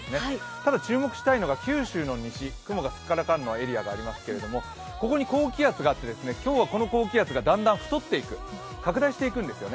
ただ注目したいのは九州の西、雲がすっからかんのエリアがありますけれどもここに高気圧があって今日はこの高気圧がだんだん太っていく、拡大していくんですよね。